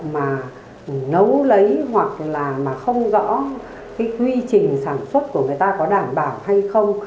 mà nấu lấy hoặc là không rõ cái quy trình sản xuất của người ta có đảm bảo hay không